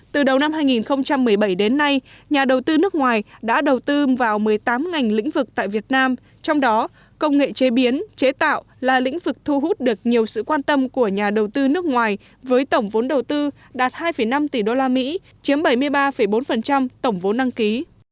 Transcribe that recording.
từ đầu năm hai nghìn một mươi bảy đến nay nhà đầu tư nước ngoài đã đầu tư vào một mươi tám ngành lĩnh vực tại việt nam trong đó công nghệ chế biến chế tạo là lĩnh vực thu hút được nhiều sự quan tâm của nhà đầu tư nước ngoài với tổng vốn đầu tư đạt hai năm tỷ usd chiếm bảy mươi ba bốn tổng vốn đăng ký